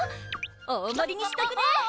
大もりにしとくね！